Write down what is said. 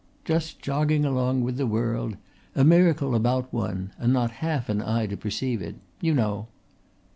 "Just jogging along with the world, a miracle about one and not half an eye to perceive it. You know."